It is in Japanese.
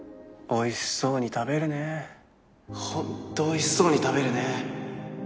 おいしそうに食べるねホントおいしそうに食べるね